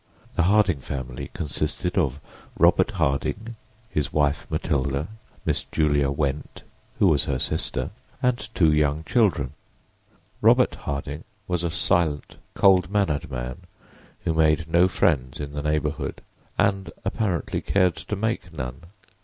The Harding family consisted of Robert Harding, his wife Matilda, Miss Julia Went, who was her sister, and two young children. Robert Harding was a silent, cold mannered man who made no friends in the neighborhood and apparently cared to make none.